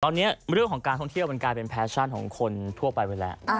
ตอนนี้เรื่องของการท่องเที่ยวมันกลายเป็นแฟชั่นของคนทั่วไปไปแล้ว